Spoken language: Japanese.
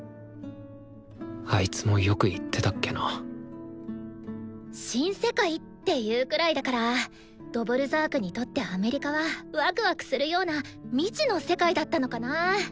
あいつもよく言ってたっけな「新世界」って言うくらいだからドヴォルザークにとってアメリカはわくわくするような未知の世界だったのかな。